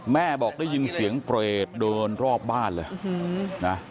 แม่บอกได้ยินเสียงเปรตเดินรอบบ้านเลยนะ